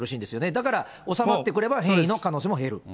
だから、収まってくれば、変異の可能性も減る。